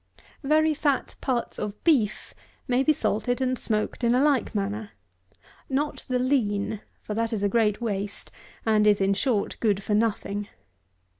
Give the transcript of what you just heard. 158. Very fat parts of Beef may be salted and smoked in a like manner. Not the lean; for that is a great waste, and is, in short, good for nothing.